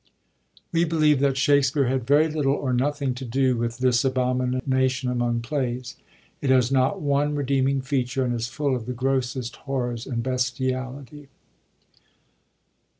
We believe that Shakspere had very little or nothing to do with this abomination among plays. It has not one redeeming feature, and is full of the grossest horrors and bestiality.